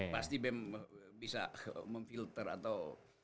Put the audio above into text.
pasti bem bisa memfilter atau